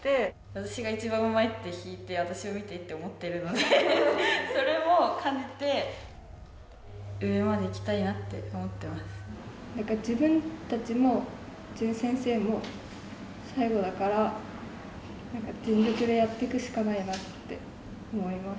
私が一番うまいって弾いて私を見てって思ってるのでそれを感じてなんか自分たちも淳先生も最後だから全力でやってくしかないなって思います。